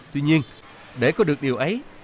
tuy nhiên để có được điều ấy